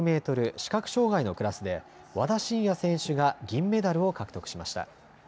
視覚障害のクラスで和田伸也選手が銀メダルを獲得しました。